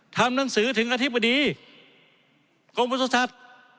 ทำหนังสือถึงอธิบดีกรมวัฒนศาสตร์